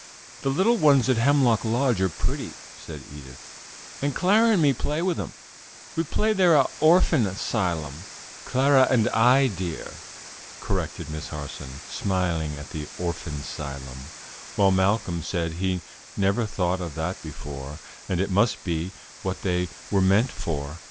"The little cones at Hemlock Lodge are pretty," said Edith, "and Clara and me play with 'em. We play they're a orphan 'sylum." [Illustration: FOLIAGE OF THE LARCH (Larix Americana).] "'Clara and I,' dear," corrected Miss Harson, smiling at the "orphan 'sylum," while Malcolm said he had never thought of that before, and it must be what they were meant for.